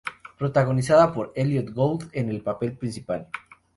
Protagonizada por Elliott Gould en el papel principal.